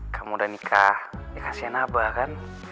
kamu udah nikah ya kasihan abah kan